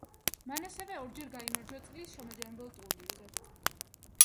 მან ასევე ორჯერ გაიმარჯვა წლის შემაჯამებელ ტურნირზე.